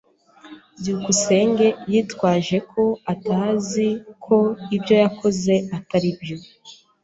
byukusenge yitwaje ko atazi ko ibyo yakoze atari byo.